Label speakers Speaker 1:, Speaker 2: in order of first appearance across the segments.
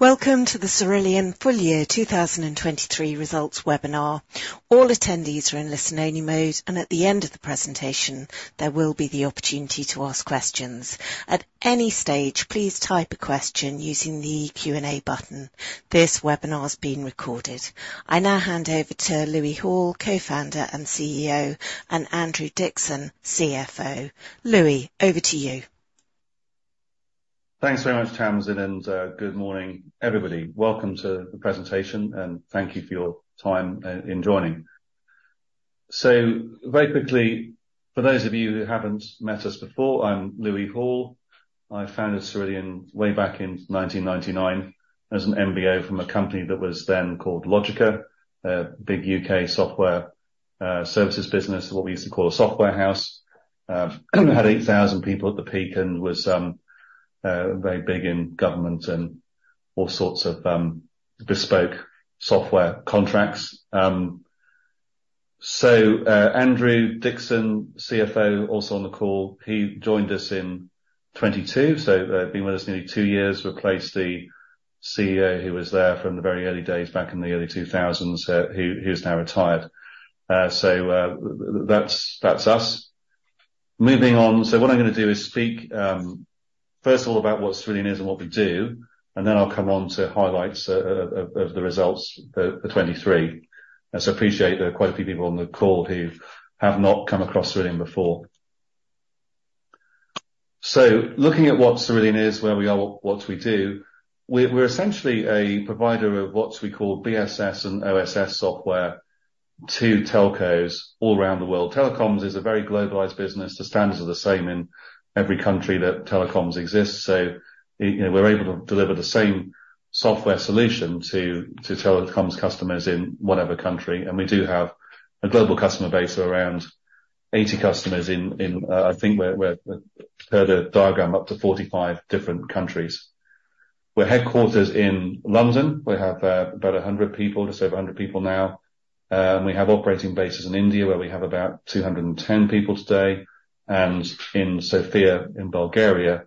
Speaker 1: Welcome to the Cerillion Full Year 2023 Results Webinar. All attendees are in listen-only mode, and at the end of the presentation, there will be the opportunity to ask questions. At any stage, please type a question using the Q&A button. This webinar is being recorded. I now hand over to Louis Hall, Co-founder and CEO, and Andrew Dickson, CFO. Louis, over to you.
Speaker 2: Thanks very much, Tamsin, and good morning, everybody. Welcome to the presentation, and thank you for your time in joining. So very quickly, for those of you who haven't met us before, I'm Louis Hall. I founded Cerillion way back in 1999 as an MBO from a company that was then called Logica, a big U.K. software services business, what we used to call a software house. We had 8,000 people at the peak and was very big in government and all sorts of bespoke software contracts. So, Andrew Dickson, CFO, also on the call. He joined us in 2022, so been with us nearly two years, replaced the CEO, who's now retired. So, that's us. Moving on, so what I'm gonna do is speak first of all about what Cerillion is and what we do, and then I'll come on to highlights of the results for 2023. I so appreciate there are quite a few people on the call who have not come across Cerillion before. So looking at what Cerillion is, where we are, what we do, we're essentially a provider of what we call BSS and OSS software to telcos all around the world. Telecoms is a very globalized business. The standards are the same in every country that telecoms exists, so you know, we're able to deliver the same software solution to telecoms customers in whatever country. And we do have a global customer base of around 80 customers in, I think, per the diagram, up to 45 different countries. We're headquartered in London. We have about 100 people, just over 100 people now. We have operating bases in India, where we have about 210 people today, and in Sofia, in Bulgaria,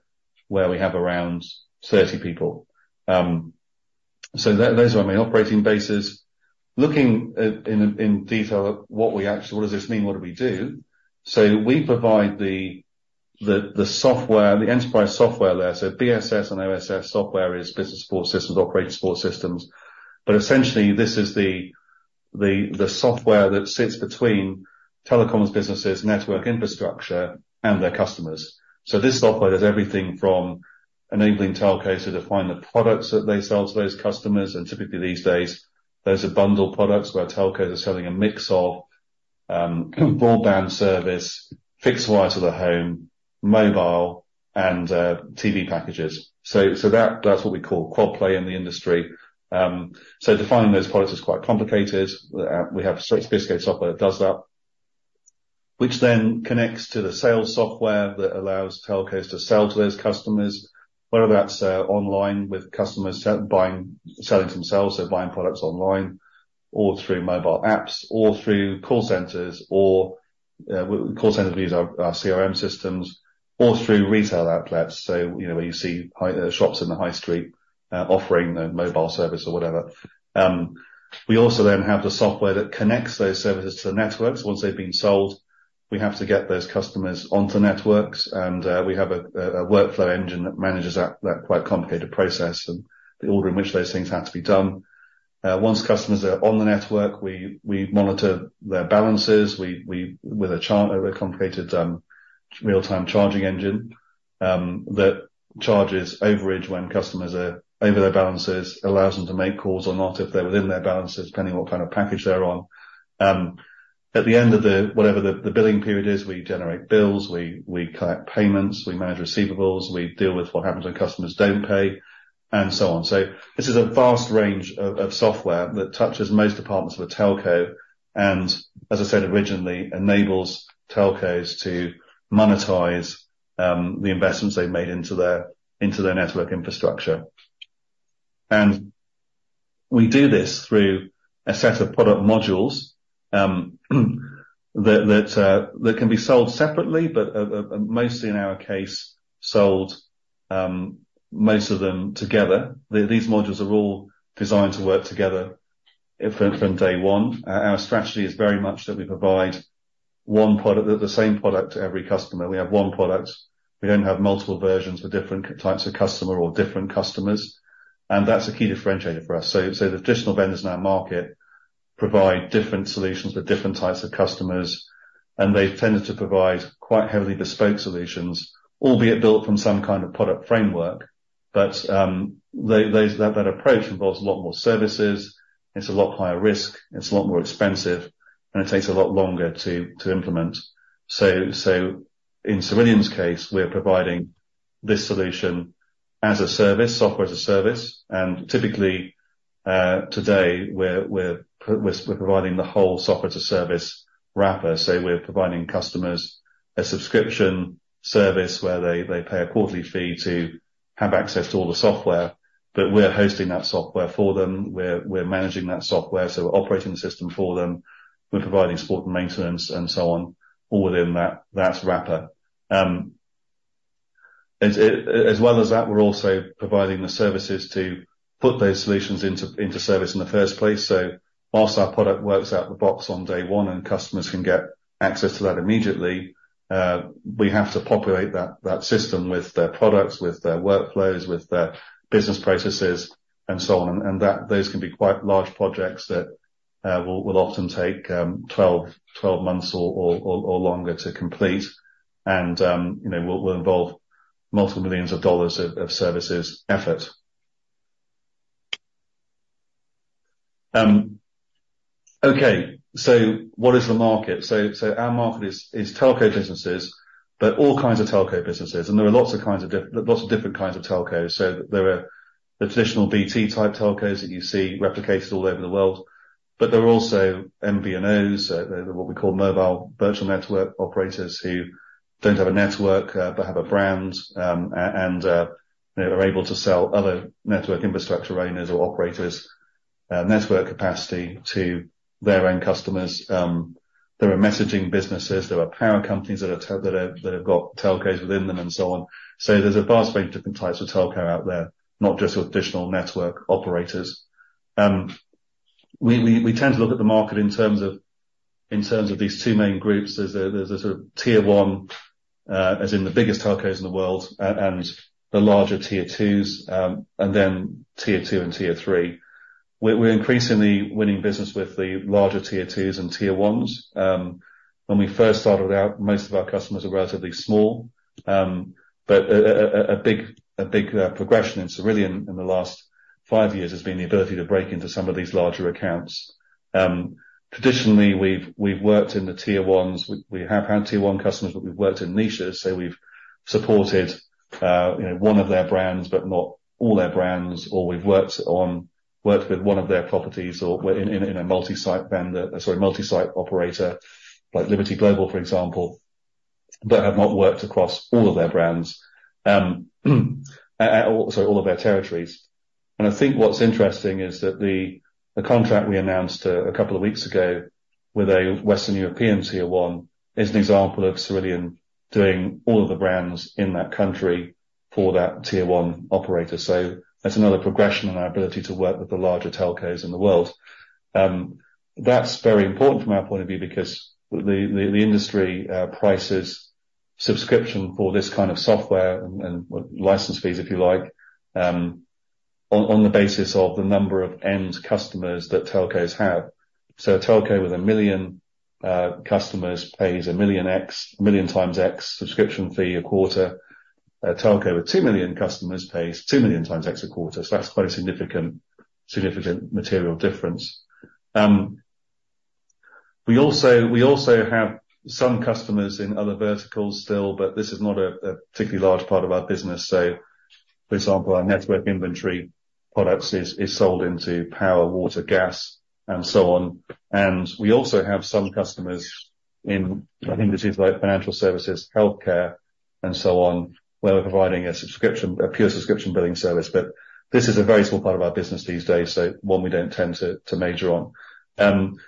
Speaker 2: where we have around 30 people. So those are my operating bases. Looking in detail at what we actually do. What does this mean? What do we do? So we provide the software, the enterprise software there, so BSS and OSS software is business support systems, operating support systems. But essentially, this is the software that sits between telecoms businesses, network infrastructure, and their customers. So this software does everything from enabling telcos to define the products that they sell to those customers, and typically, these days, those are bundled products, where telcos are selling a mix of broadband service, fixed wire to the home, mobile, and TV packages. So that's what we call Quad Play in the industry. So defining those products is quite complicated. We have sophisticated software that does that, which then connects to the sales software that allows telcos to sell to those customers, whether that's online, with customers buying, selling themselves or buying products online, or through mobile apps, or through call centers, these are our CRM systems, or through retail outlets. So, you know, where you see high street shops offering a mobile service or whatever. We also then have the software that connects those services to the networks. Once they've been sold, we have to get those customers onto networks, and we have a workflow engine that manages that quite complicated process and the order in which those things have to be done. Once customers are on the network, we monitor their balances with a complicated real-time charging engine that charges overage when customers are over their balances, allows them to make calls or not, if they're within their balance, depending what kind of package they're on. At the end of whatever the billing period is, we generate bills, we collect payments, we manage receivables, we deal with what happens when customers don't pay, and so on. So this is a vast range of software that touches most departments of a telco, and as I said originally, enables telcos to monetize the investments they've made into their network infrastructure. And we do this through a set of product modules that can be sold separately, but mostly in our case, sold most of them together. These modules are all designed to work together from day one. Our strategy is very much that we provide one product, the same product to every customer. We have one product. We don't have multiple versions for different types of customer or different customers, and that's a key differentiator for us. So the traditional vendors in our market provide different solutions to different types of customers, and they've tended to provide quite heavily bespoke solutions, albeit built from some kind of product framework. But that approach involves a lot more services, it's a lot higher risk, it's a lot more expensive, and it takes a lot longer to implement. So in Cerillion's case, we're providing this solution as a service, software as a service, and typically today, we're providing the whole software to service wrapper. So we're providing customers a subscription service where they pay a quarterly fee to have access to all the software. But we're hosting that software for them. We're managing that software, so operating the system for them. We're providing support and maintenance and so on, all within that wrapper. As well as that, we're also providing the services to put those solutions into service in the first place. So while our product works out of the box on day one, and customers can get access to that immediately, we have to populate that system with their products, with their workflows, with their business processes, and so on. And those can be quite large projects that will often take 12 months or longer to complete. And, you know, will involve multiple millions of dollars of services effort. Okay, so what is the market? So our market is telco businesses, but all kinds of telco businesses, and there are lots of different kinds of telcos. So there are the traditional BT-type telcos that you see replicated all over the world, but there are also MVNOs, what we call Mobile Virtual Network Operators, who don't have a network, but have a brand, and they're able to sell other network infrastructure owners or operators, network capacity to their own customers. There are messaging businesses, there are power companies that have got telcos within them and so on. So there's a vast range of different types of telco out there, not just your traditional network operators. We tend to look at the market in terms of these two main groups. There's a sort of tier one, as in the biggest telcos in the world, and the larger tier twos, and then tier two and tier three. We're increasingly winning business with the larger Tier Twos and Tier Ones. When we first started out, most of our customers were relatively small, but a big progression in Cerillion in the last five years has been the ability to break into some of these larger accounts. Traditionally, we've worked in the Tier Ones. We have had Tier One customers, but we've worked in niches, so we've supported, you know, one of their brands, but not all their brands, or we've worked with one of their properties, or we're in a multi-site operator, like Liberty Global, for example, but have not worked across all of their territories. I think what's interesting is that the contract we announced a couple of weeks ago with a Western European Tier One is an example of Cerillion doing all of the brands in that country for that Tier One operator. So that's another progression on our ability to work with the larger telcos in the world. That's very important from our point of view because the industry prices subscription for this kind of software and license fees, if you like, on the basis of the number of end customers that telcos have. So a telco with 1 million customers pays 1 million times x subscription fee a quarter. A telco with 2 million customers pays 2 million times x a quarter. So that's quite a significant material difference. We also have some customers in other verticals still, but this is not a particularly large part of our business. So for example, our network inventory products is sold into power, water, gas, and so on. And we also have some customers in, I think this is like financial services, healthcare, and so on, where we're providing a subscription, a pure subscription billing service, but this is a very small part of our business these days, so one we don't tend to major on. From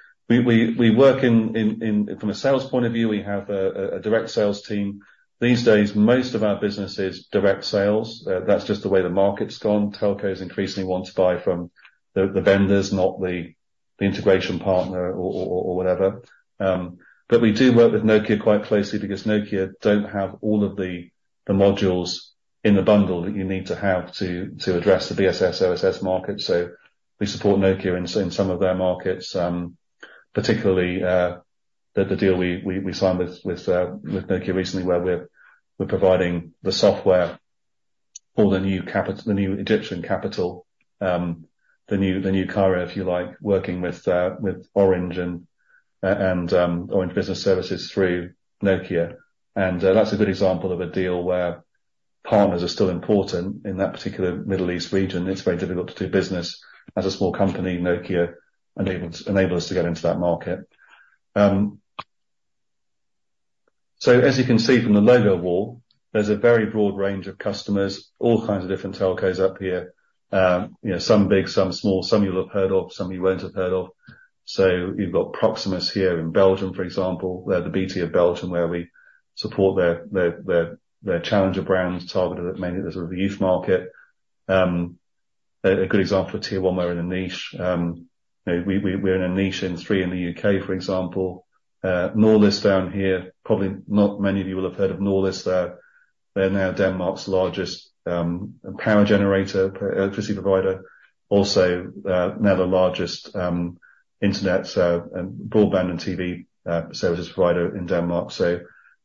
Speaker 2: a sales point of view, we have a direct sales team. These days, most of our business is direct sales. That's just the way the market's gone. Telcos increasingly want to buy from the vendors, not the integration partner or whatever. But we do work with Nokia quite closely because Nokia don't have all of the modules in the bundle that you need to have to address the BSS, OSS market. So we support Nokia in some of their markets, particularly the deal we signed with Nokia recently, where we're providing the software for the new capital, the new Egyptian capital, the new Cairo, if you like, working with Orange and Orange Business Services through Nokia. And that's a good example of a deal where partners are still important in that particular Middle East region. It's very difficult to do business as a small company, Nokia enables us to get into that market. So as you can see from the logo wall, there's a very broad range of customers, all kinds of different telcos up here. You know, some big, some small, some you'll have heard of, some you won't have heard of. So you've got Proximus here in Belgium, for example. They're the BT of Belgium, where we support their challenger brands targeted at mainly the sort of the youth market. A good example of tier one, we're in a niche. You know, we're in a niche in Three in the UK, for example. Norlys down here, probably not many of you will have heard of Norlys. They're now Denmark's largest power generator, electricity provider. Also, now the largest internet broadband and TV services provider in Denmark.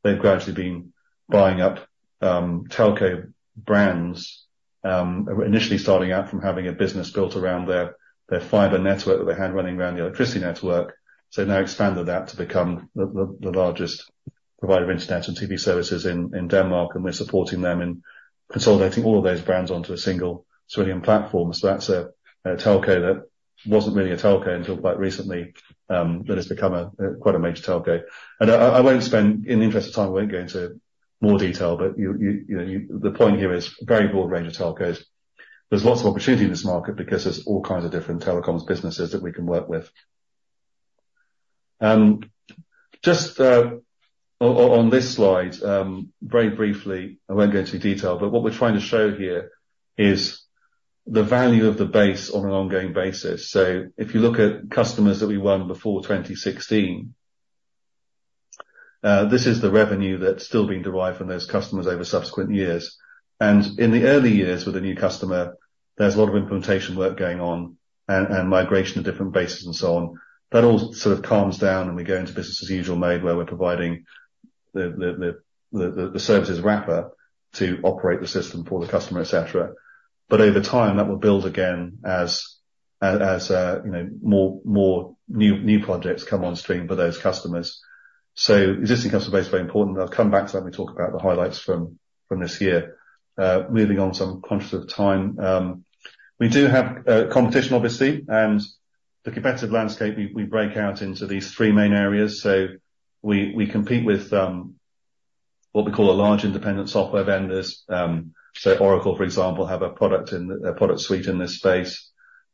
Speaker 2: So they've gradually been buying up telco brands, initially starting out from having a business built around their fiber network that they had running around the electricity network. So now expanded that to become the largest provider of internet and TV services in Denmark, and we're supporting them in consolidating all of those brands onto a single Cerillion platform. So that's a telco that wasn't really a telco until quite recently, but it's become quite a major telco. In the interest of time, I won't go into more detail, but you know, the point here is very broad range of telcos. There's lots of opportunity in this market because there's all kinds of different telecoms businesses that we can work with. Just on this slide, very briefly, I won't go into detail, but what we're trying to show here is the value of the base on an ongoing basis. So if you look at customers that we won before 2016, this is the revenue that's still being derived from those customers over subsequent years. And in the early years, with a new customer, there's a lot of implementation work going on and migration to different bases and so on. That all sort of calms down, and we go into business as usual mode, where we're providing the services wrapper to operate the system for the customer, et cetera. But over time, that will build again as you know, more new projects come on stream for those customers. So existing customer base, very important. I'll come back to that when we talk about the highlights from this year. Moving on, so I'm conscious of time. We do have competition, obviously, and the competitive landscape, we break out into these three main areas. So we compete with what we call the large independent software vendors. So Oracle, for example, have a product suite in this space,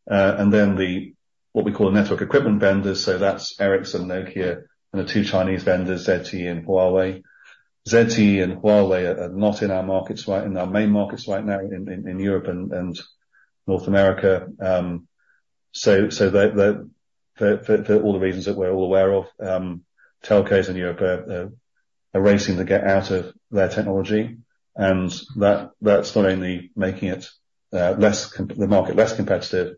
Speaker 2: and then what we call network equipment vendors, so that's Ericsson, Nokia, and the two Chinese vendors, ZTE and Huawei. ZTE and Huawei are not in our markets right now in our main markets in Europe and North America. So all the reasons that we're all aware of, telcos in Europe are racing to get out of their technology, and that's not only making the market less competitive,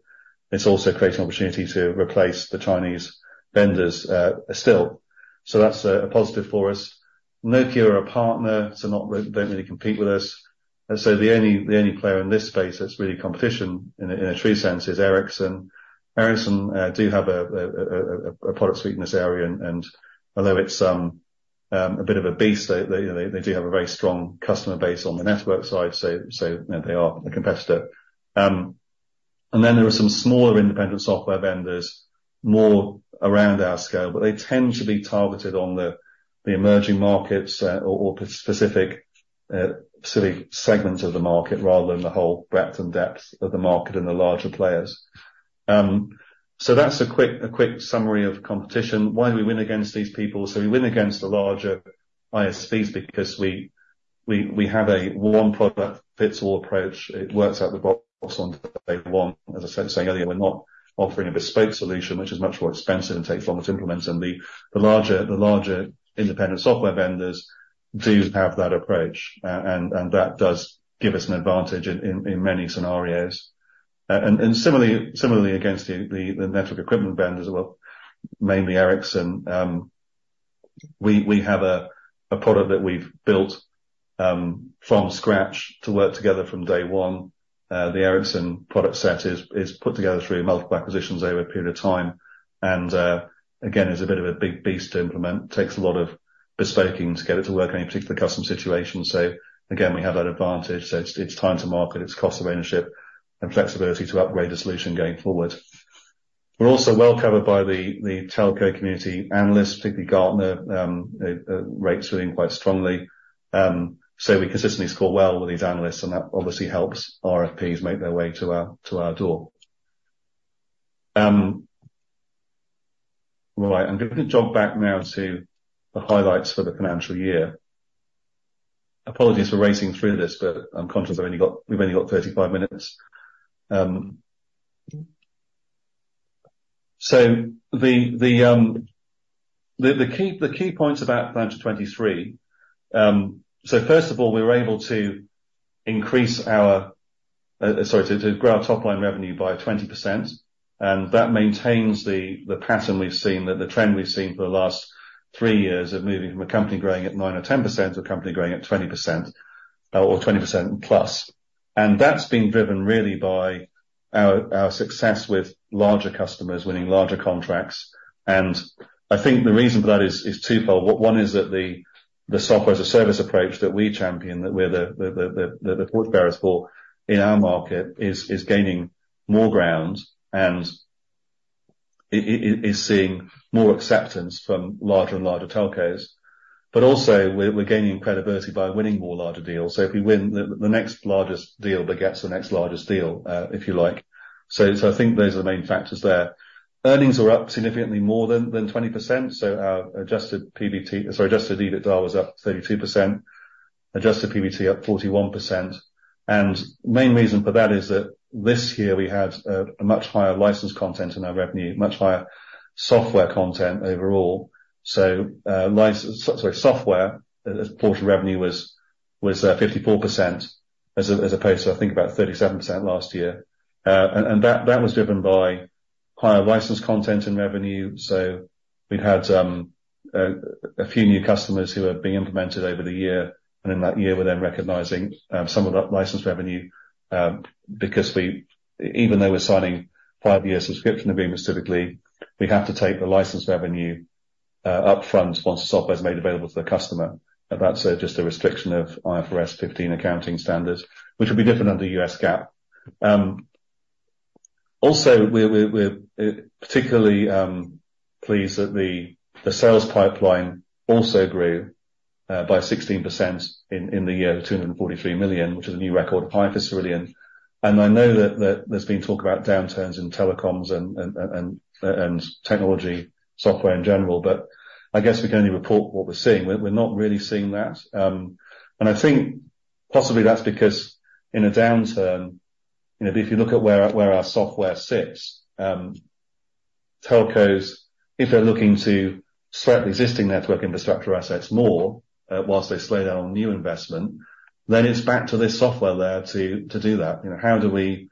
Speaker 2: it's also creating opportunity to replace the Chinese vendors still. So that's a positive for us. Nokia are a partner, so not really, don't really compete with us. And so the only player in this space that's really competition in a true sense is Ericsson. Ericsson do have a product suite in this area, and although it's a bit of a beast, they do have a very strong customer base on the network side, so they are a competitor. And then there are some smaller independent software vendors, more around our scale, but they tend to be targeted on the emerging markets, or specific segments of the market, rather than the whole breadth and depth of the market and the larger players. So that's a quick summary of competition. Why do we win against these people? So we win against the larger ISVs because we have a one product fits all approach. It works out of the box on day one. As I said earlier, we're not offering a bespoke solution, which is much more expensive and takes longer to implement, and the larger independent software vendors do have that approach. And that does give us an advantage in many scenarios. And similarly, against the network equipment vendors, well, mainly Ericsson, we have a product that we've built from scratch to work together from day one. The Ericsson product set is put together through multiple acquisitions over a period of time, and again, is a bit of a big beast to implement. Takes a lot of bespoking to get it to work in a particular customer situation. So again, we have that advantage. So it's time to market, it's cost of ownership and flexibility to upgrade the solution going forward. We're also well covered by the telco community analysts, particularly Gartner, rate us quite strongly. So we consistently score well with these analysts, and that obviously helps RFPs make their way to our door. Right, I'm going to jog back now to the highlights for the financial year. Apologies for racing through this, but I'm conscious we've only got 35 minutes. So, the key points about financial 2023, first of all, we were able to grow our top-line revenue by 20%, and that maintains the pattern we've seen, the trend we've seen for the last three years of moving from a company growing at 9% or 10% to a company growing at 20%, or 20%+. And that's been driven really by our success with larger customers, winning larger contracts. And I think the reason for that is twofold. One is that the software-as-a-service approach that we champion, that we're the forerunners for in our market, is gaining more ground and is seeing more acceptance from larger and larger telcos, but also we're gaining credibility by winning more larger deals. So if we win the next largest deal, that gets the next largest deal, if you like. So I think those are the main factors there. Earnings are up significantly more than 20%, so our Adjusted PBT, sorry, Adjusted EBITDA was up 32%, Adjusted PBT up 41%. And the main reason for that is that this year we had a much higher license content in our revenue, much higher software content overall. License, sorry, software as a portion of revenue was 54% as opposed to, I think, about 37% last year. And that was driven by higher license content and revenue. We'd had a few new customers who are being implemented over the year, and in that year, we're then recognizing some of that license revenue because even though we're signing five-year subscription agreements, typically, we have to take the license revenue upfront once the software is made available to the customer. But that's just a restriction of IFRS 15 accounting standards, which would be different under U.S. GAAP. Also, we're particularly pleased that the sales pipeline also grew by 16% in the year, 243 million, which is a new record high for Cerillion. And I know that there's been talk about downturns in telecoms and technology software in general, but I guess we can only report what we're seeing. We're not really seeing that. And I think possibly that's because in a downturn, you know, if you look at where our software sits, telcos, if they're looking to sweat existing network infrastructure assets more, whilst they slow down on new investment, then it's back to this software there to do that. You know, how do we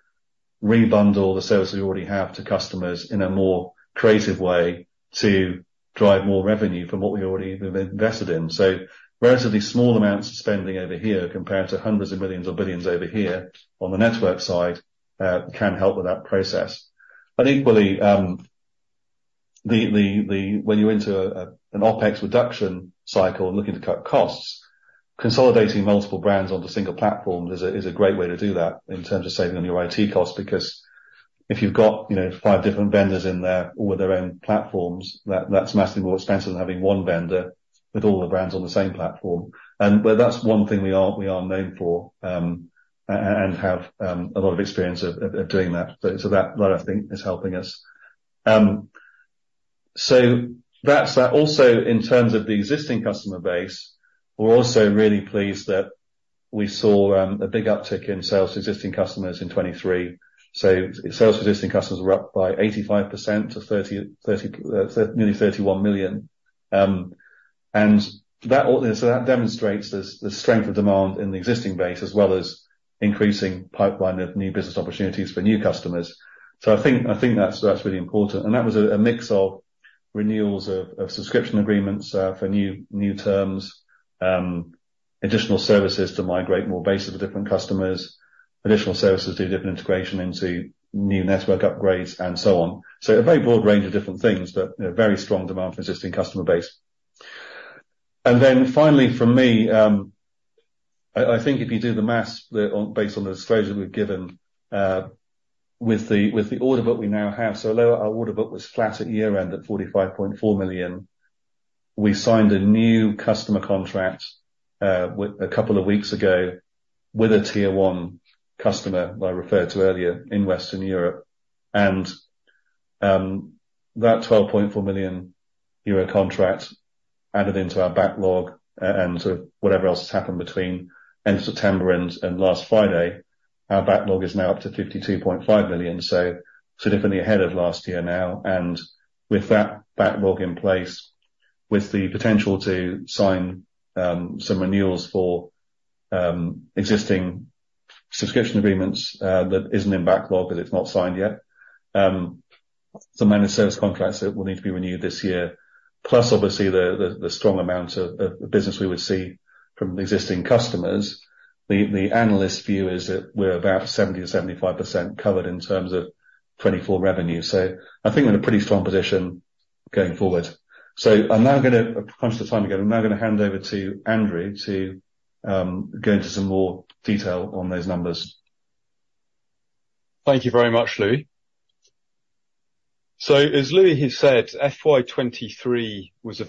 Speaker 2: rebundle the services we already have to customers in a more creative way to drive more revenue from what we already have invested in? So relatively small amounts of spending over here, compared to hundreds of millions GBP or billions GBP over here on the network side, can help with that process. But equally, when you enter a OpEx reduction cycle and looking to cut costs, consolidating multiple brands onto a single platform is a great way to do that in terms of saving on your IT costs, because if you've got, you know, five different vendors in there, all with their own platforms, that's massively more expensive than having one vendor with all the brands on the same platform. But that's one thing we are known for, and have a lot of experience of doing that. So that I think is helping us. So that's that. Also, in terms of the existing customer base, we're also really pleased that we saw a big uptick in sales to existing customers in 2023. So sales to existing customers were up by 85% to nearly 31 million. And that, so that demonstrates the strength of demand in the existing base, as well as increasing pipeline of new business opportunities for new customers. So I think that's really important, and that was a mix of renewals of subscription agreements for new terms, additional services to migrate more bases of different customers, additional services to do different integration into new network upgrades, and so on. So a very broad range of different things, but, you know, very strong demand for existing customer base. And then finally, for me, I think if you do the maths, based on the disclosure we've given, with the order book we now have, so although our order book was flat at year-end, at 45.4 million, we signed a new customer contract a couple of weeks ago, with a Tier One customer, who I referred to earlier, in Western Europe. That 12.4 million euro contract added into our backlog, and sort of whatever else has happened between end of September and last Friday, our backlog is now up to 52.5 million, so significantly ahead of last year now. With that backlog in place, with the potential to sign some renewals for existing subscription agreements that isn't in backlog, as it's not signed yet. Some managed service contracts that will need to be renewed this year, plus obviously the strong amount of business we would see from the existing customers. The analyst view is that we're about 70%-75% covered in terms of 2024 revenue. So I think we're in a pretty strong position going forward. So I'm now gonna crunch the time again. I'm now gonna hand over to Andrew to go into some more detail on those numbers.
Speaker 3: Thank you very much, Louis. So, as Louis has said, FY 2023 was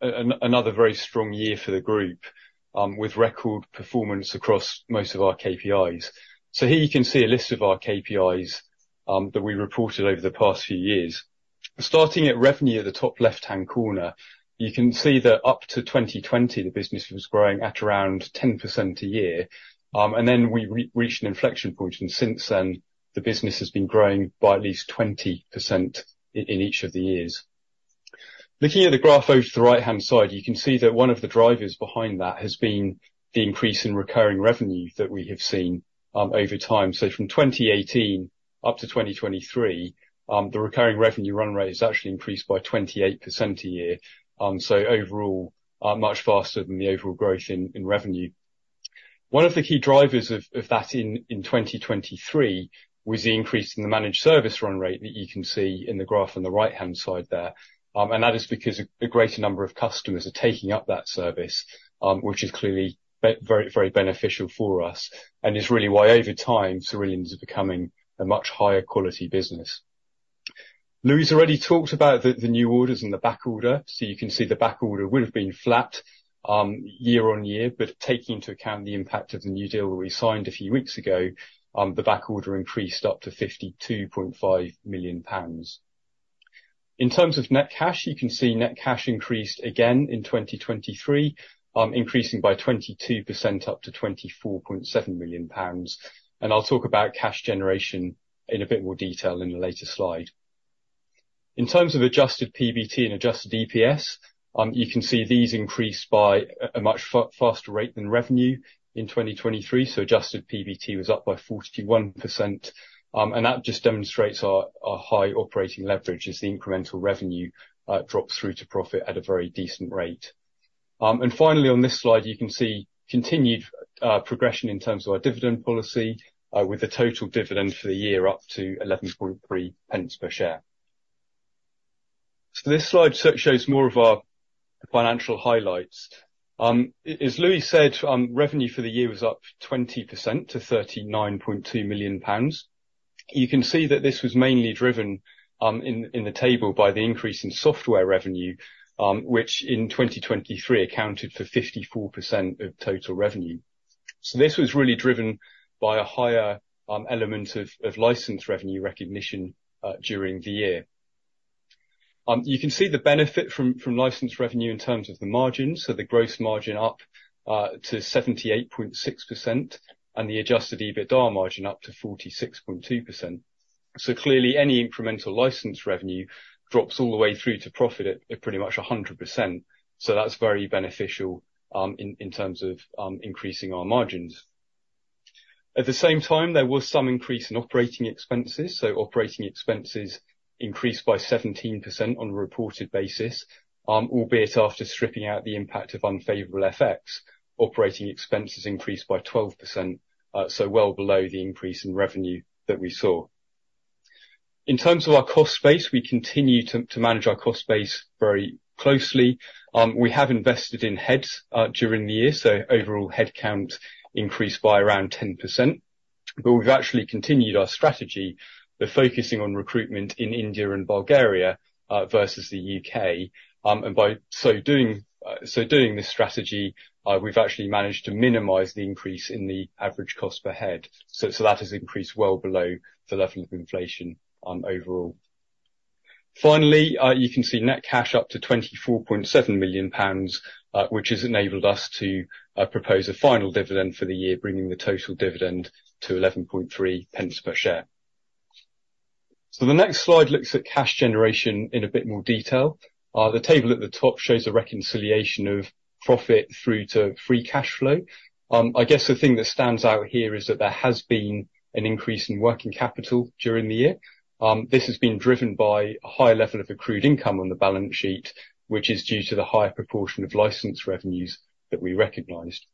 Speaker 3: another very strong year for the group, with record performance across most of our KPIs. So here you can see a list of our KPIs, that we reported over the past few years. Starting at revenue, at the top left-hand corner, you can see that up to 2020, the business was growing at around 10% a year, and then we reached an inflection point, and since then, the business has been growing by at least 20% in each of the years. Looking at the graph over to the right-hand side, you can see that one of the drivers behind that has been the increase in recurring revenue that we have seen, over time. So from 2018 up to 2023, the recurring revenue run rate has actually increased by 28% a year. So overall, much faster than the overall growth in revenue. One of the key drivers of that in 2023 was the increase in the managed service run rate, that you can see in the graph on the right-hand side there. And that is because a greater number of customers are taking up that service, which is clearly very, very beneficial for us and is really why, over time, Cerillion is becoming a much higher quality business. Louis already talked about the new orders and the backorder, so you can see the backorder would have been flat, year on year. But taking into account the impact of the new deal we signed a few weeks ago, the backorder increased up to 52.5 million pounds. In terms of net cash, you can see net cash increased again in 2023, increasing by 22%, up to 24.7 million pounds, and I'll talk about cash generation in a bit more detail in a later slide. In terms of adjusted PBT and adjusted DPS, you can see these increased by a much faster rate than revenue in 2023, so adjusted PBT was up by 41%, and that just demonstrates our high operating leverage as the incremental revenue drops through to profit at a very decent rate. And finally, on this slide, you can see continued progression in terms of our dividend policy, with the total dividend for the year up to 11.3 pence per share. So this slide shows more of our financial highlights. As Louis said, revenue for the year was up 20% to 39.2 million pounds. You can see that this was mainly driven in the table by the increase in software revenue, which in 2023 accounted for 54% of total revenue. So this was really driven by a higher element of license revenue recognition during the year. You can see the benefit from license revenue in terms of the margin, so the gross margin up to 78.6% and the Adjusted EBITDA margin up to 46.2%. So clearly, any incremental license revenue drops all the way through to profit at pretty much 100%. So that's very beneficial in terms of increasing our margins. At the same time, there was some increase in operating expenses, so operating expenses increased by 17% on a reported basis, albeit after stripping out the impact of unfavorable FX, operating expenses increased by 12%, so well below the increase in revenue that we saw. In terms of our cost base, we continue to manage our cost base very closely. We have invested in heads during the year, so overall head count increased by around 10%, but we've actually continued our strategy by focusing on recruitment in India and Bulgaria versus the UK. And by so doing this strategy, we've actually managed to minimize the increase in the average cost per head. So that has increased well below the level of inflation, overall. Finally, you can see net cash up to 24.7 million pounds, which has enabled us to propose a final dividend for the year, bringing the total dividend to 11.3 pence per share. So the next slide looks at cash generation in a bit more detail. The table at the top shows a reconciliation of profit through to free cash flow. I guess the thing that stands out here is that there has been an increase in working capital during the year. This has been driven by a higher level of accrued income on the balance sheet, which is due to the higher proportion of license revenues that we recognized.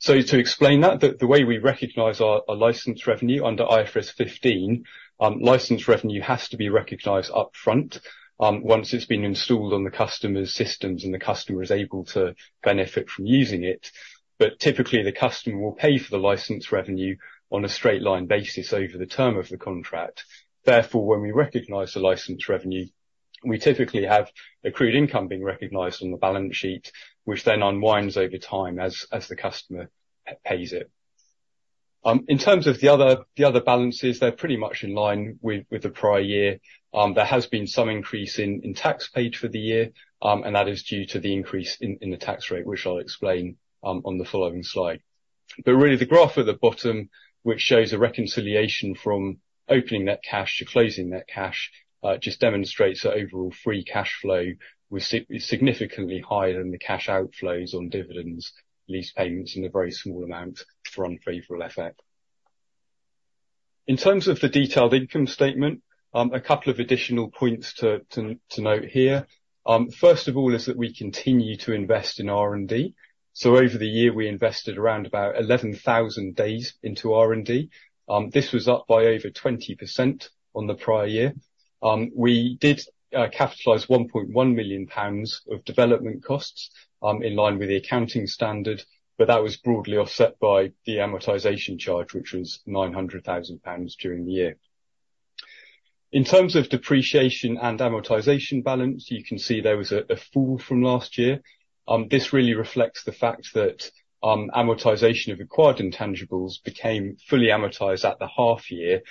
Speaker 3: So to explain that, the way we recognize our license revenue under IFRS 15, license revenue has to be recognized upfront, once it's been installed on the customer's systems and the customer is able to benefit from using it. But typically, the customer will pay for the license revenue on a straight line basis over the term of the contract. Therefore, when we recognize the license revenue, we typically have accrued income being recognized on the balance sheet, which then unwinds over time as the customer pays it. In terms of the other balances, they're pretty much in line with the prior year. There has been some increase in tax paid for the year, and that is due to the increase in the tax rate, which I'll explain on the following slide. But really, the graph at the bottom, which shows a reconciliation from opening net cash to closing net cash, just demonstrates that overall free cashflow was significantly higher than the cash outflows on dividends, lease payments, and a very small amount for unfavorable effect. In terms of the detailed income statement, a couple of additional points to note here. First of all, is that we continue to invest in R&D. So over the year, we invested around about 11,000 days into R&D. This was up by over 20% on the prior year. We did capitalize 1.1 million pounds of development costs in line with the accounting standard, but that was broadly offset by the amortization charge, which was 900,000 pounds during the year. In terms of depreciation and amortization balance, you can see there was a fall from last year. This really reflects the fact that amortization of acquired intangibles became fully amortized at the half year,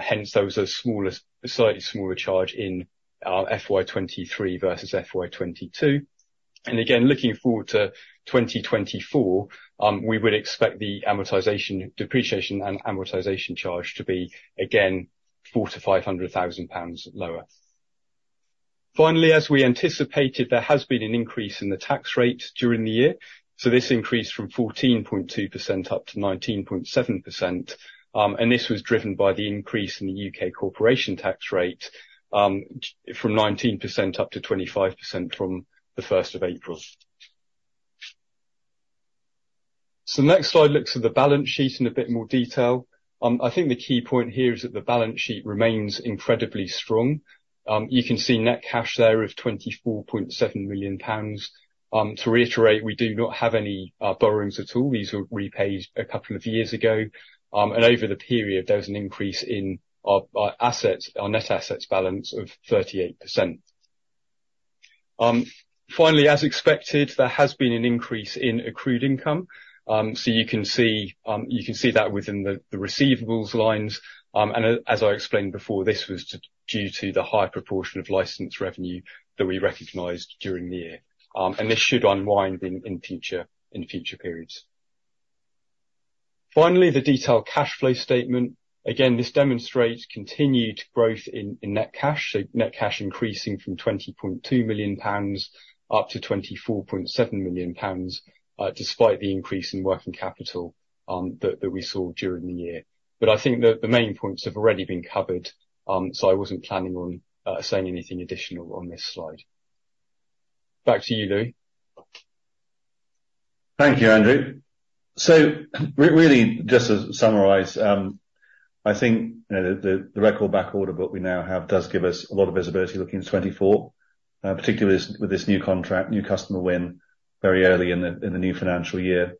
Speaker 3: hence, there was a smaller, slightly smaller charge in FY 2023 versus FY 2022. And again, looking forward to 2024, we would expect the amortization, depreciation and amortization charge to be again 400,000-500,000 pounds lower. Finally, as we anticipated, there has been an increase in the tax rate during the year, so this increased from 14.2% up to 19.7%. This was driven by the increase in the UK corporation tax rate, from 19% up to 25% from the first of April. The next slide looks at the balance sheet in a bit more detail. I think the key point here is that the balance sheet remains incredibly strong. You can see net cash there of 24.7 million pounds. To reiterate, we do not have any borrowings at all. These were repaid a couple of years ago. Over the period, there was an increase in our assets, our net assets balance of 38%. Finally, as expected, there has been an increase in accrued income. You can see that within the receivables lines. As I explained before, this was due to the high proportion of license revenue that we recognized during the year. This should unwind in future periods. Finally, the detailed cash flow statement. Again, this demonstrates continued growth in net cash. Net cash increasing from 20.2 million pounds up to 24.7 million pounds, despite the increase in working capital that we saw during the year. I think the main points have already been covered, so I wasn't planning on saying anything additional on this slide. Back to you, Louis.
Speaker 2: Thank you, Andrew. So really, just to summarize, I think, you know, the record back order book we now have does give us a lot of visibility looking into 2024, particularly with this new contract, new customer win, very early in the new financial year.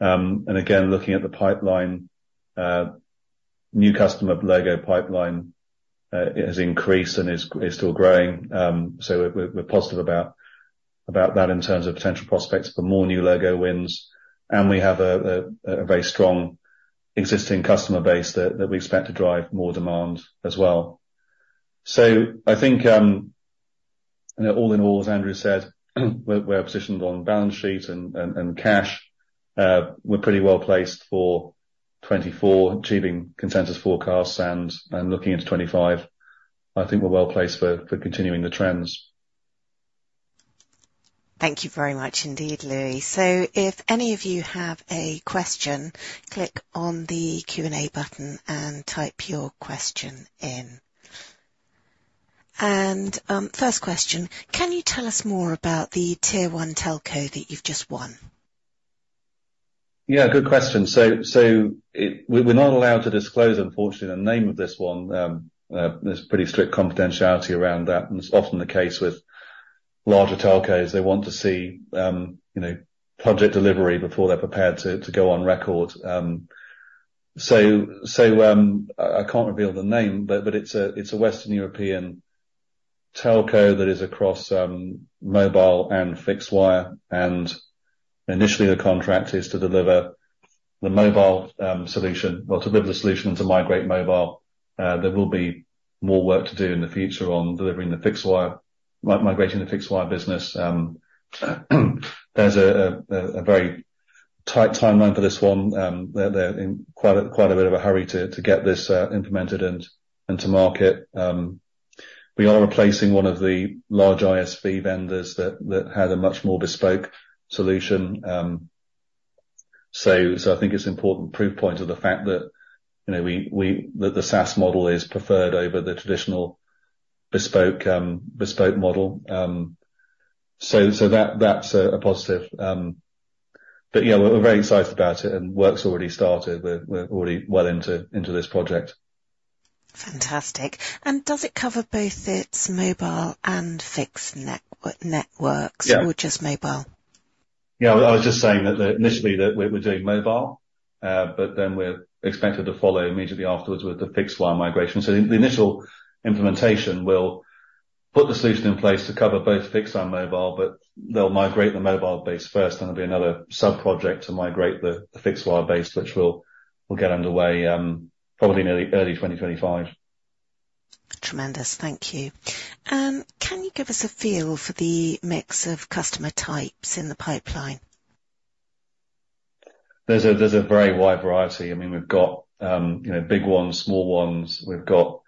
Speaker 2: And again, looking at the pipeline, new customer logo pipeline, it has increased and is still growing. So we're positive about that in terms of potential prospects for more new logo wins, and we have a very strong existing customer base that we expect to drive more demand as well. So I think, all in all, as Andrew said, we're positioned on balance sheet and cash. We're pretty well placed for 2024, achieving consensus forecasts and looking into 2025. I think we're well placed for continuing the trends.
Speaker 1: Thank you very much indeed, Louis. So if any of you have a question, click on the Q&A button and type your question in. And, first question: Can you tell us more about the Tier One telco that you've just won?
Speaker 2: Yeah, good question. So, we're not allowed to disclose, unfortunately, the name of this one. There's pretty strict confidentiality around that, and it's often the case with larger telcos. They want to see, you know, project delivery before they're prepared to go on record. So, I can't reveal the name, but it's a Western European telco that is across mobile and fixed wire, and initially, the contract is to deliver the mobile solution, well, to deliver the solution to migrate mobile. There will be more work to do in the future on delivering the fixed wire, migrating the fixed wire business. There's a very tight timeline for this one. They're in quite a bit of a hurry to get this implemented and to market. We are replacing one of the large ISV vendors that had a much more bespoke solution. So I think it's important proof point to the fact that, you know, that the SaaS model is preferred over the traditional bespoke model. So that that's a positive. But yeah, we're very excited about it and work's already started. We're already well into this project.
Speaker 1: Fantastic. And does it cover both its mobile and fixed networks-
Speaker 2: Yeah.
Speaker 1: or just mobile?
Speaker 2: Yeah, I was just saying that initially, that we're doing mobile, but then we're expected to follow immediately afterwards with the fixed wire migration. So the initial implementation will put the solution in place to cover both fixed and mobile, but they'll migrate the mobile base first, and there'll be another sub-project to migrate the fixed wire base, which will get underway, probably in early 2025.
Speaker 1: Tremendous. Thank you. Can you give us a feel for the mix of customer types in the pipeline?
Speaker 2: There's a very wide variety. I mean, we've got, you know, big ones, small ones. We've got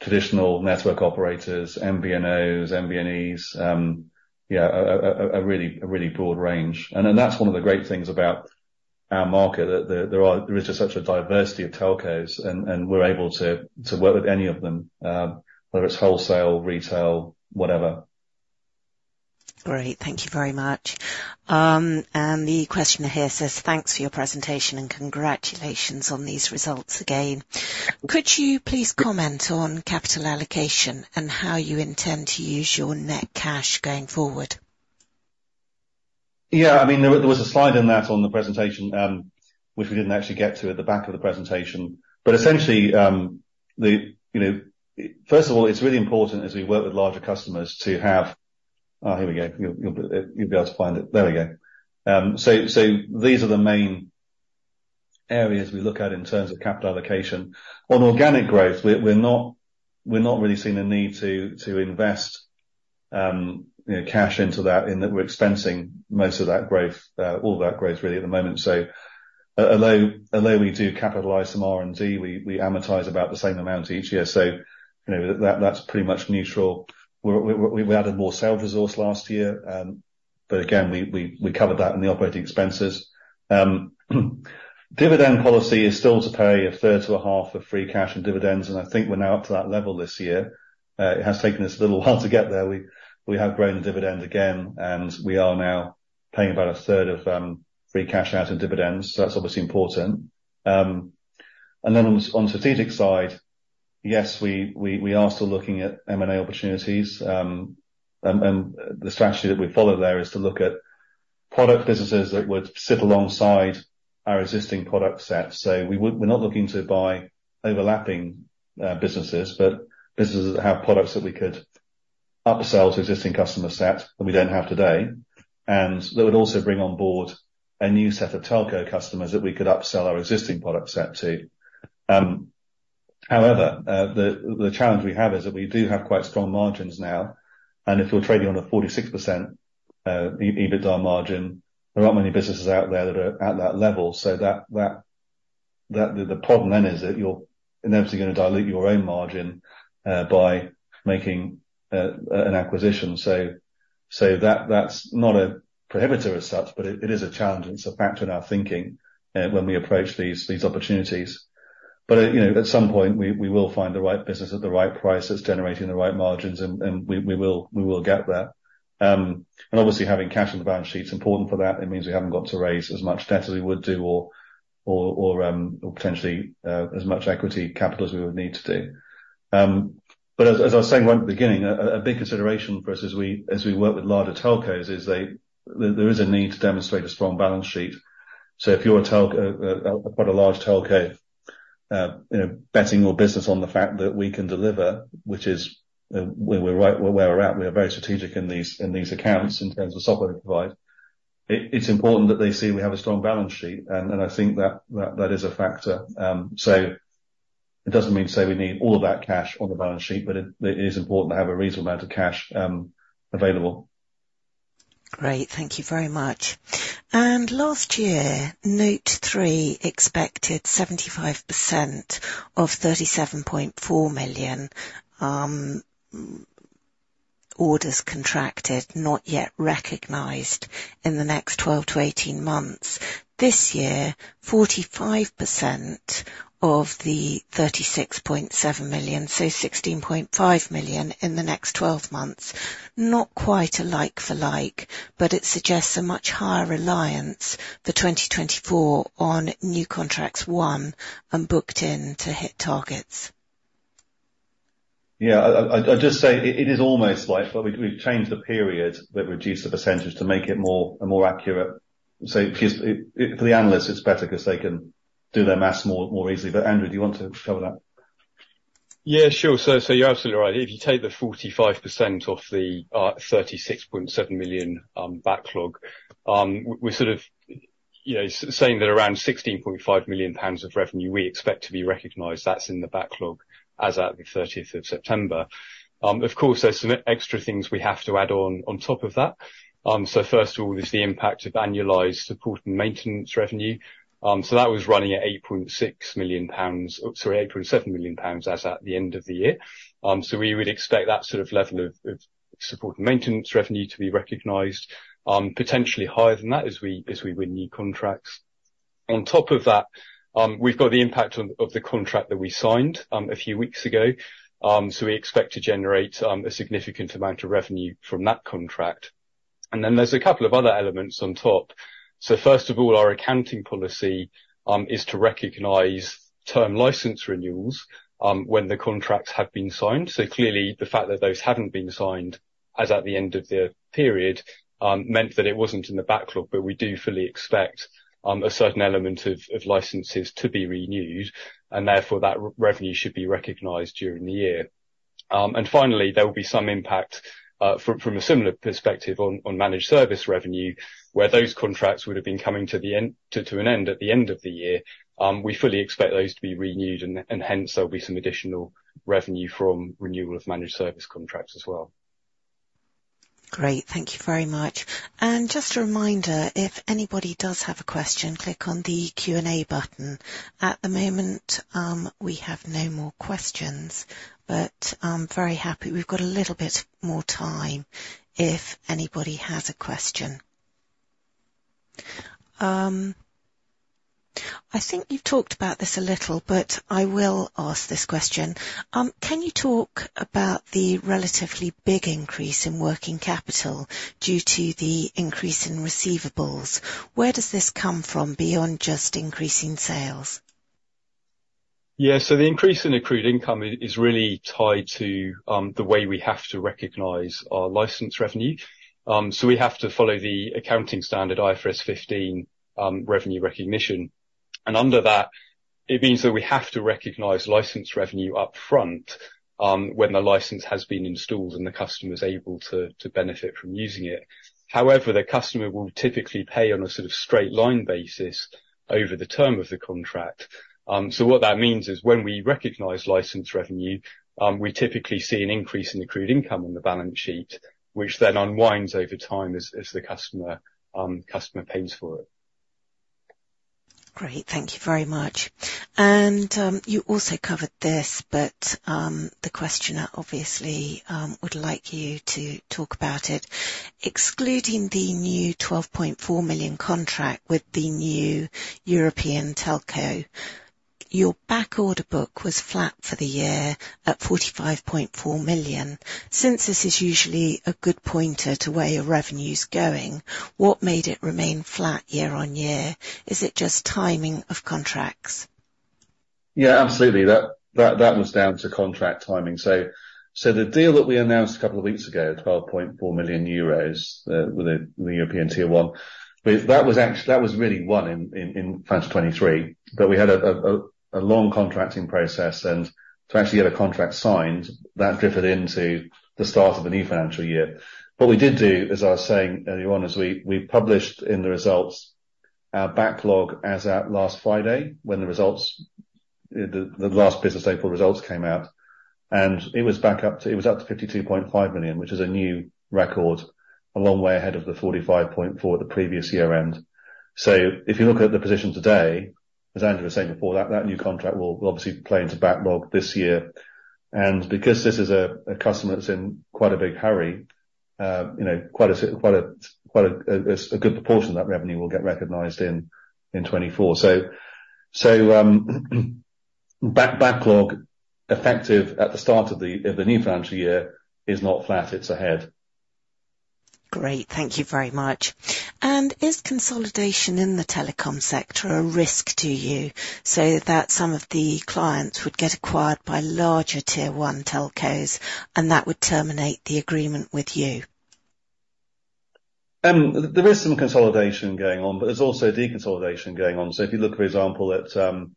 Speaker 2: traditional network operators, MVNOs, MVNEs, yeah, a really broad range. And then that's one of the great things about our market, that there is just such a diversity of telcos, and we're able to work with any of them, whether it's wholesale, retail, whatever.
Speaker 1: Great. Thank you very much. And the questioner here says, "Thanks for your presentation and congratulations on these results again. Could you please comment on capital allocation and how you intend to use your net cash going forward?
Speaker 2: Yeah, I mean, there, there was a slide in that on the presentation, which we didn't actually get to at the back of the presentation. But essentially, the... You know, first of all, it's really important as we work with larger customers to have-- Oh, here we go. You'll, you'll be able to find it. There we go. So, so these are the main areas we look at in terms of capital allocation. On organic growth, we're, we're not, we're not really seeing a need to, to invest, you know, cash into that, in that we're expensing most of that growth, all that growth really at the moment. So although, although we do capitalize some R&D, we, we amortize about the same amount each year, so you know, that, that's pretty much neutral. We added more sales resource last year, but again, we covered that in the operating expenses. Dividend policy is still to pay a third to a half of free cash and dividends, and I think we're now up to that level this year. It has taken us a little while to get there. We have grown the dividend again, and we are now paying about a third of free cash out in dividends, so that's obviously important. And then on the strategic side, yes, we are still looking at M&A opportunities, and the strategy that we follow there is to look at product businesses that would sit alongside our existing product set. So we're not looking to buy overlapping businesses, but businesses that have products that we could upsell to existing customer set that we don't have today, and that would also bring on board a new set of telco customers that we could upsell our existing product set to. However, the challenge we have is that we do have quite strong margins now, and if we're trading on a 46% EBITDA margin, there aren't many businesses out there that are at that level. So the problem then is that you're inevitably gonna dilute your own margin by making an acquisition. So that's not a prohibitor as such, but it is a challenge, and it's a factor in our thinking when we approach these opportunities. But, you know, at some point, we will find the right business at the right price that's generating the right margins, and we will get there. And obviously having cash on the balance sheet is important for that. It means we haven't got to raise as much debt as we would do, or potentially as much equity capital as we would need to do. But as I was saying right at the beginning, a big consideration for us as we work with larger telcos is there is a need to demonstrate a strong balance sheet. So if you're a telco, quite a large telco, you know, betting your business on the fact that we can deliver, which is where we're at, we are very strategic in these accounts in terms of software we provide. It's important that they see we have a strong balance sheet, and I think that is a factor. So it doesn't mean to say we need all of that cash on the balance sheet, but it is important to have a reasonable amount of cash available.
Speaker 1: Great, thank you very much. And last year, Note 3 expected 75% of GBP 37.4 million, orders contracted, not yet recognized in the next 12 to 18 months. This year, 45% of the 36.7 million, so 16.5 million in the next 12 months. Not quite a like for like, but it suggests a much higher reliance for 2024 on new contracts won and booked in to hit targets.
Speaker 2: Yeah, I'll just say, it is almost like, but we've changed the period that reduced the percentage to make it more accurate. So because it, for the analysts, it's better because they can do their math more easily. But Andrew, do you want to cover that?
Speaker 3: Yeah, sure. So, so you're absolutely right. If you take the 45% off the 36.7 million backlog, we sort of, you know, saying that around 16.5 million pounds of revenue we expect to be recognized, that's in the backlog as at the thirtieth of September. Of course, there's some extra things we have to add on on top of that. So first of all, is the impact of annualized support and maintenance revenue. So that was running at 8.6 million pounds, oops, sorry, 8.7 million pounds as at the end of the year. So we would expect that sort of level of support and maintenance revenue to be recognized, potentially higher than that as we win new contracts. On top of that, we've got the impact of the contract that we signed a few weeks ago. So we expect to generate a significant amount of revenue from that contract. And then there's a couple of other elements on top. So first of all, our accounting policy is to recognize term license renewals when the contracts have been signed. So clearly, the fact that those hadn't been signed as at the end of the period meant that it wasn't in the backlog. But we do fully expect a certain element of licenses to be renewed, and therefore that revenue should be recognized during the year. And finally, there will be some impact from a similar perspective on managed service revenue, where those contracts would have been coming to an end at the end of the year. We fully expect those to be renewed, and hence, there'll be some additional revenue from renewal of managed service contracts as well.
Speaker 1: Great, thank you very much. Just a reminder, if anybody does have a question, click on the Q&A button. At the moment, we have no more questions, but I'm very happy we've got a little bit more time if anybody has a question. I think you've talked about this a little, but I will ask this question. Can you talk about the relatively big increase in working capital due to the increase in receivables? Where does this come from, beyond just increasing sales?
Speaker 3: Yeah, so the increase in accrued income is really tied to the way we have to recognize our license revenue. So we have to follow the accounting standard, IFRS 15, revenue recognition. And under that, it means that we have to recognize license revenue upfront, when the license has been installed and the customer is able to benefit from using it. However, the customer will typically pay on a sort of straight line basis over the term of the contract. So what that means is when we recognize license revenue, we typically see an increase in accrued income on the balance sheet, which then unwinds over time as the customer pays for it.
Speaker 1: Great, thank you very much. You also covered this, but the questioner obviously would like you to talk about it. Excluding the new 12.4 million contract with the new European telco, your backorder book was flat for the year at 45.4 million. Since this is usually a good pointer to where your revenue's going, what made it remain flat year-on-year? Is it just timing of contracts?
Speaker 2: Yeah, absolutely. That was down to contract timing. So the deal that we announced a couple of weeks ago, 12.4 million euros, with the European tier one. But that was actually—that was really won in financial 2023, but we had a long contracting process, and to actually get a contract signed that drifted into the start of the new financial year. What we did do, as I was saying earlier on, is we published in the results our backlog as at last Friday, when the results, the last business April results came out, and it was back up to... It was up to 52.5 million, which is a new record, a long way ahead of the 45.4 at the previous year end. So if you look at the position today, as Andrew was saying before, that new contract will obviously play into backlog this year. And because this is a customer that's in quite a big hurry, you know, quite a good proportion of that revenue will get recognized in 2024. Backlog effective at the start of the new financial year is not flat, it's ahead.
Speaker 1: Great. Thank you very much. And is consolidation in the telecom sector a risk to you, so that some of the clients would get acquired by larger Tier One telcos, and that would terminate the agreement with you?
Speaker 2: There is some consolidation going on, but there's also deconsolidation going on. So if you look, for example, at, you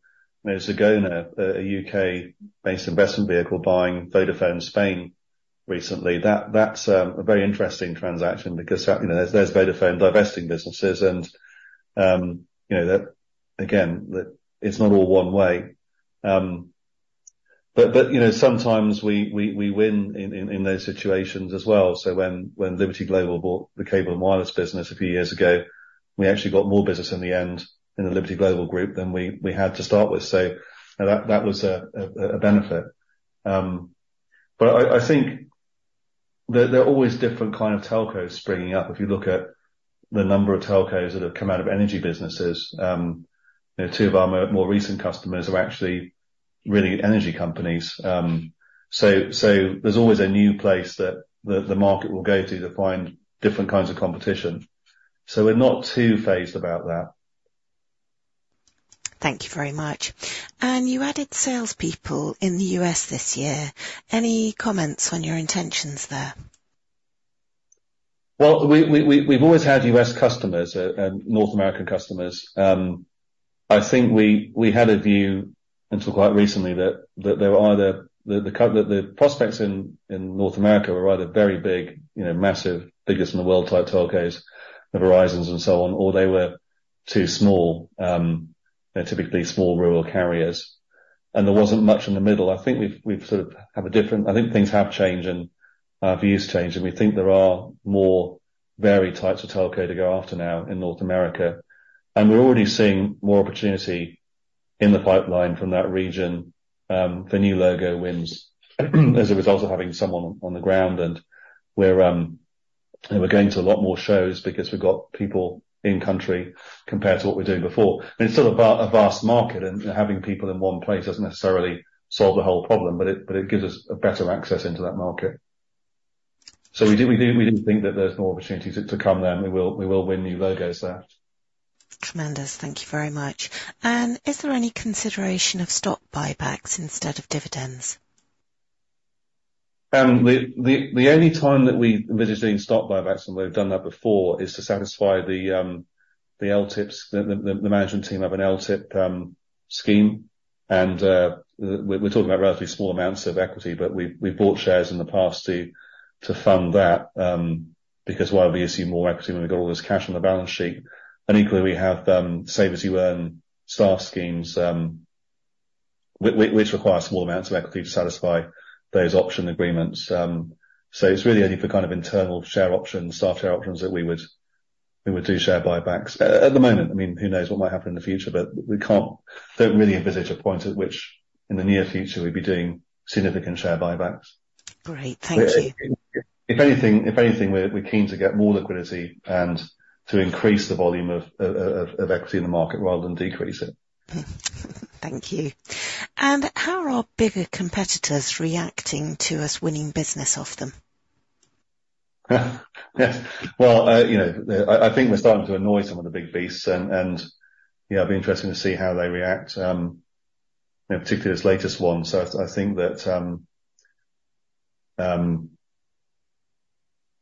Speaker 2: know, Zegona, a U.K.-based investment vehicle buying Vodafone Spain recently, that's a very interesting transaction because, you know, there's Vodafone divesting businesses and, you know, that again, that it's not all one way. But, you know, sometimes we win in those situations as well. So when Liberty Global bought the Cable & Wireless business a few years ago, we actually got more business in the end in the Liberty Global group than we had to start with. So that was a benefit. But I think there are always different kind of telcos springing up. If you look at the number of telcos that have come out of energy businesses, you know, two of our more recent customers are actually really energy companies. So there's always a new place that the market will go to to find different kinds of competition. So we're not too fazed about that.
Speaker 1: Thank you very much. You added salespeople in the U.S. this year. Any comments on your intentions there?
Speaker 2: Well, we've always had U.S. customers, and North American customers. I think we had a view until quite recently, that there were either the prospects in North America were either very big, you know, massive, biggest in the world type telcos, the Verizons and so on, or they were too small, they're typically small rural carriers, and there wasn't much in the middle. I think we've sort of have a different. I think things have changed, and our views changed, and we think there are more varied types of telco to go after now in North America, and we're already seeing more opportunity in the pipeline from that region. The new logo wins as a result of having someone on the ground, and we're going to a lot more shows because we've got people in country compared to what we were doing before. And it's still a vast market, and having people in one place doesn't necessarily solve the whole problem, but it gives us a better access into that market. So we do think that there's more opportunities to come there, and we will win new logos there.
Speaker 1: Commanders, thank you very much. Is there any consideration of stock buybacks instead of dividends?
Speaker 2: The only time that we envisage doing stock buybacks, and we've done that before, is to satisfy the LTIPS. The management team have an LTIP scheme, and we're talking about relatively small amounts of equity, but we've bought shares in the past to fund that, because why obviously more equity when we've got all this cash on the balance sheet, and equally, we have save as you earn staff schemes, which require small amounts of equity to satisfy those option agreements. So it's really only for kind of internal share options, staff share options, that we would do share buybacks. At the moment, I mean, who knows what might happen in the future, but we don't really envisage a point at which, in the near future, we'd be doing significant share buybacks.
Speaker 1: Great, thank you.
Speaker 2: If anything, we're keen to get more liquidity and to increase the volume of equity in the market rather than decrease it.
Speaker 1: Thank you. How are bigger competitors reacting to us winning business off them?
Speaker 2: Yes. Well, you know, I think we're starting to annoy some of the big beasts, and you know, it'll be interesting to see how they react, in particular, this latest one. So I think that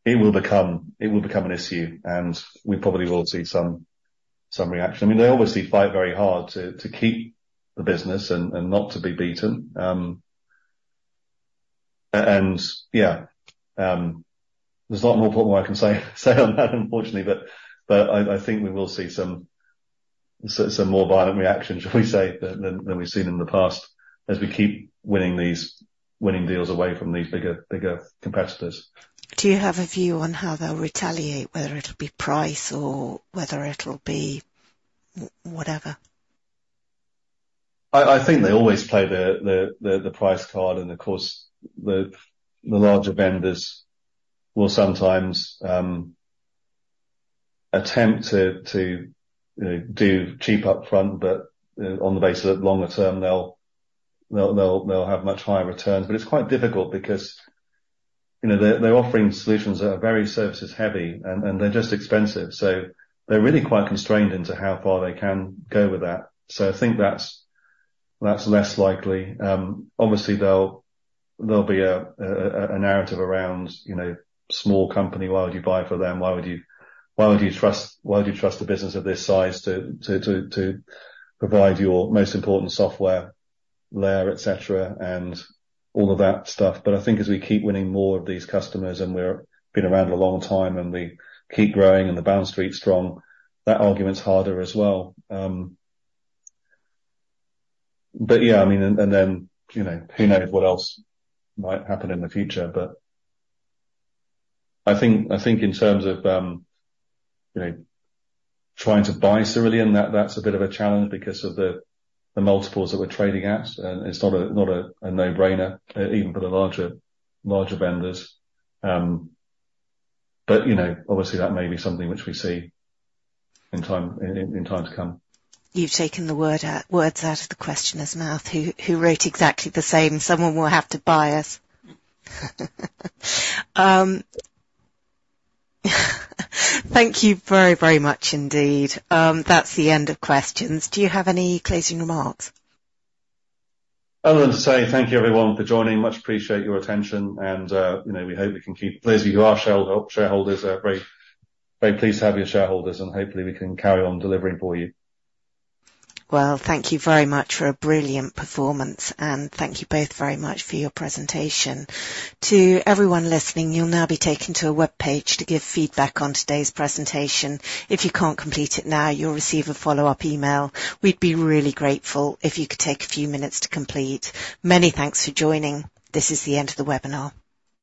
Speaker 2: it will become an issue, and we probably will see some reaction. I mean, they obviously fight very hard to keep the business and not to be beaten. And, yeah, there's not more I can say on that, unfortunately, but I think we will see some more violent reactions, shall we say, than we've seen in the past, as we keep winning these deals away from these bigger competitors.
Speaker 1: Do you have a view on how they'll retaliate, whether it'll be price or whether it'll be whatever?
Speaker 2: I think they always play the price card, and of course, the larger vendors will sometimes attempt to, you know, do cheap up front, but on the basis that longer term, they'll have much higher returns. But it's quite difficult because, you know, they're offering solutions that are very services heavy and they're just expensive, so they're really quite constrained into how far they can go with that. So I think that's less likely. Obviously, there'll be a narrative around, you know, small company, why would you buy for them? Why would you trust a business of this size to provide your most important software layer, et cetera, and all of that stuff? But I think as we keep winning more of these customers, and we're been around a long time, and we keep growing, and the balance sheet's strong, that argument's harder as well. But yeah, I mean, and then, you know, who knows what else might happen in the future? But I think, I think in terms of, you know, trying to buy Cerillion, that's a bit of a challenge because of the multiples that we're trading at, and it's not a no-brainer, even for the larger vendors. But, you know, obviously, that may be something which we see in time to come.
Speaker 1: You've taken the words out of the questioner's mouth, who wrote exactly the same. "Someone will have to buy us." Thank you very, very much indeed. That's the end of questions. Do you have any closing remarks?
Speaker 2: Other than to say thank you everyone for joining, much appreciate your attention and, you know, we hope we can keep... Those of you who are shareholders, are very, very pleased to have you as shareholders, and hopefully we can carry on delivering for you.
Speaker 1: Well, thank you very much for a brilliant performance, and thank you both very much for your presentation. To everyone listening, you'll now be taken to a webpage to give feedback on today's presentation. If you can't complete it now, you'll receive a follow-up email. We'd be really grateful if you could take a few minutes to complete. Many thanks for joining. This is the end of the webinar.